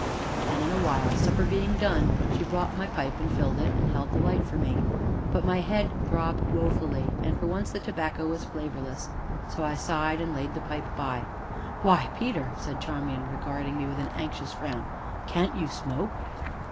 And in a while, supper being done, she brought my pipe, and filled it, and held the light for me. But my head throbbed woefully and for once the tobacco was flavorless; so I sighed, and laid the pipe by. "Why, Peter!" said Charmian, regarding me with an anxious frown, "can't you smoke?"